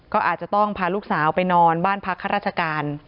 ก็อาจจะต้องพาลูกสาวไปนอนบ้านพักข้าราชการ